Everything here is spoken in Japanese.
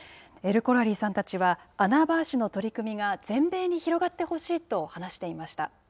エルコラリーさんたちはアナーバー市の取り組みが全米に広がってほしいと話していました。